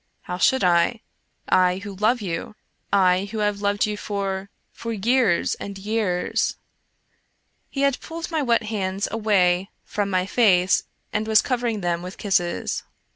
How should I ?— I who love you — I who have loved you for — for years and years !" He had pulled my wet hands away from my face and was covering them with kisses.